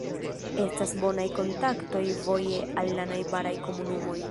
Estas bonaj kontaktoj voje al la najbaraj komunumoj.